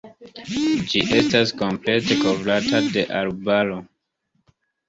Ĝi estas komplete kovrata de arbaro.